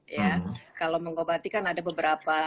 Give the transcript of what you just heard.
ya kalau mengobati kan ada beberapa